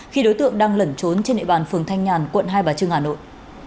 khi đối tượng đang lẩn trốn trên địa bàn phường thanh nhàn quận hai bà trưng hà nội